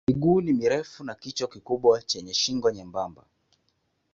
Miguu ni mirefu na kichwa kikubwa chenye shingo nyembamba.